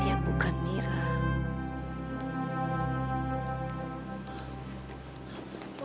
dia bukan mira